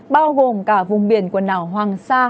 bao gồm cả vùng biển quần đảo hoàng sa